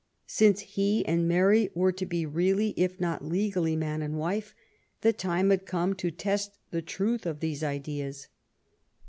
Since he and Mary were to he really, if not legally, man and wife, the time had come to test the truth of these ideas.